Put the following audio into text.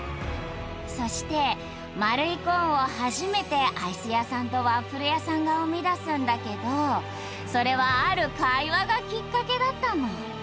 そして丸いコーンを初めてアイス屋さんとワッフル屋さんが生み出すんだけどそれは「ある会話」がきっかけだったの。